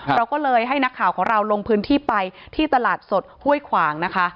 เราก็เลยให้นักข่าวของเราลงพื้นที่ไปที่ตลาดสดห้วยขวางนะคะ